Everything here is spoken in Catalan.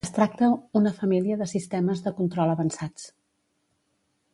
Es tracta una família de sistemes de control avançats.